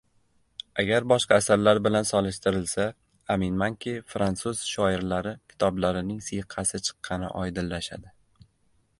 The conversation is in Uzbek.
Agar boshqa asarlar bilan solishtirilsa, aminmanki, frantsuz shoirlari kitoblarining siyqasi chiqqani oydinlashadi.